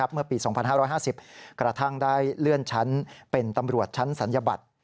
เมื่อปี๒๕๕๐กระทั่งได้เลื่อนชั้นเป็นตำรวจชั้นศัลยบัตร